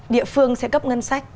địa phương sẽ cấp ngân sách